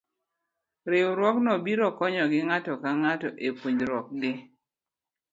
Riwruogno biro konyogi ng'ato ka ng'ato e puonjruok gi.